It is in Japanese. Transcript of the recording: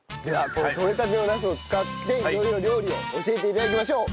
このとれたてのナスを使って色々料理を教えて頂きましょう。